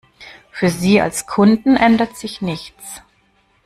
Für Sie als Kunden ändert sich nichts.